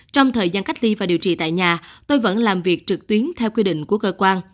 trong thời gian cách ly và điều trị tại nhà tôi vẫn làm việc trực tuyến theo quy định của cơ quan